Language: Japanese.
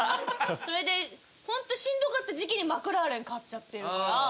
それでホントしんどかった時期にマクラーレン買っちゃってるから。